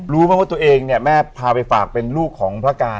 รู้ไหมว่าตัวเองเนี่ยแม่พาไปฝากเป็นลูกของพระการ